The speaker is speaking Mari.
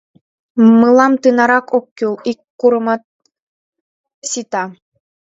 — Мылам тынарак ок кӱл — ик курымат сита.